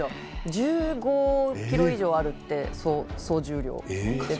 １５ｋｇ以上あって総重量が。